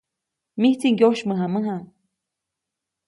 Mijtsi ŋyosymäjamäja.